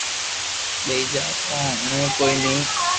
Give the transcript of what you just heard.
ٻيئي جا ڪون ھوڻي ڪوئي ني